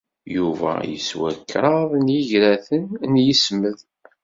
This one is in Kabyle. Yuba yeswa kraḍ yigraten n yismed.